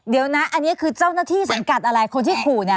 เดี๋ยวนะอันนี้คือเจ้าหน้าที่สังกัดอะไรคนที่ขู่เนี่ย